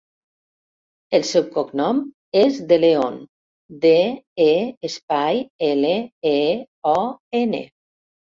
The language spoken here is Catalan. El seu cognom és De Leon: de, e, espai, ela, e, o, ena.